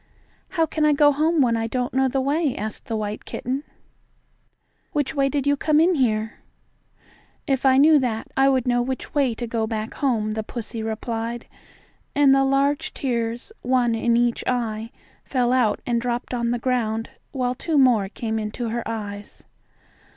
"How can I go home when I don't know the way?" asked the white kitten. "Which way did you come in here?" "If I knew that, I would know which way to go back home," the pussy replied, and the large tears, one in each eye, fell out and dropped on the ground, while two more came into her eyes.